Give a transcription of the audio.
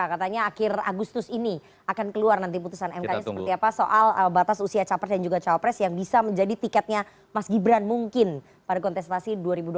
katanya akhir agustus ini akan keluar nanti putusan mk nya seperti apa soal batas usia capres dan juga cawapres yang bisa menjadi tiketnya mas gibran mungkin pada kontestasi dua ribu dua puluh